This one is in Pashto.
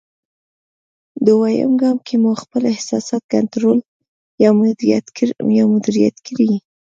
دوېم ګام کې مو خپل احساسات کنټرول یا مدیریت کړئ.